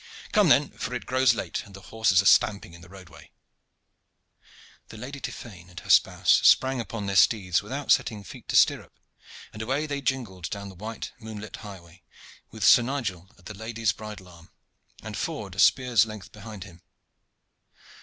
Come then, for it grows late and the horses are stamping in the roadway." The Lady Tiphaine and her spouse sprang upon their steeds without setting feet to stirrup, and away they jingled down the white moonlit highway, with Sir Nigel at the lady's bridle arm, and Ford a spear's length behind them.